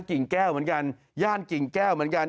กิ่งแก้วเหมือนกันย่านกิ่งแก้วเหมือนกัน